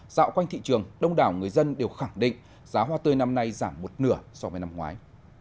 dạo quanh thị trường đông đảo người dân đều khẳng định giá hoa tươi năm nay giảm một nửa so với năm ngoái